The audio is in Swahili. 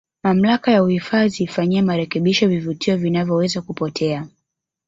mamlaka ya uhifadhi ifanyie marekebisho vivutio vinavyoweza kupotea